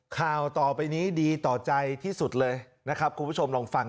ข่าวต่อไปนี้ดีต่อใจที่สุดเลยนะครับคุณผู้ชมลองฟัง